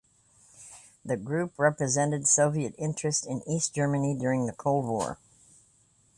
The group represented Soviet interests in East Germany during the Cold War.